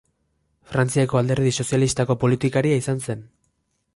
Frantziako Alderdi Sozialistako politikaria izan zen.